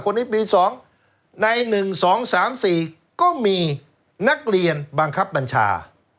คนนี้ปีสองในหนึ่งสองสามสี่ก็มีนักเรียนบังคับบัญชา